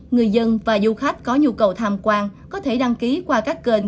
người dân và du khách có nhu cầu tham quan có thể đăng ký qua các kênh